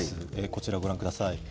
こちらご覧ください。